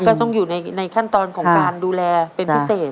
ก็ต้องอยู่ในขั้นตอนของการดูแลเป็นพิเศษ